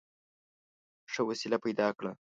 ښه وسیله پیدا کړه.